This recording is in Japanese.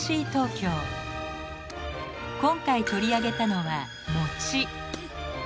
今回取り上げたのは「餅」。